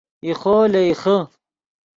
ایخو لے ایخے